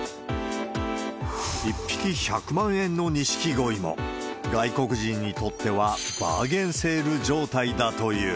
１匹１００万円のニシキゴイも、外国人にとってはバーゲンセール状態だという。